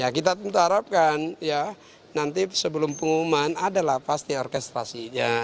kita harapkan nanti sebelum pengumuman adalah pasti orkestrasinya